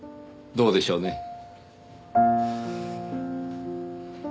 どうでしょうね。